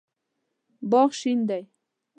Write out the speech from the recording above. باغ شین دی